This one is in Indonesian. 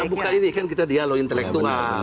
bukan ini kan kita dihalau intelektual